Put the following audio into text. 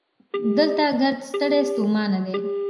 دلته ګړد ستړي ستومانه دي